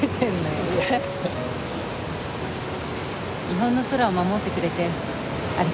日本の空を守ってくれてありがとう。